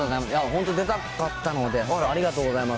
本当、出たかったので、ありがとうございます。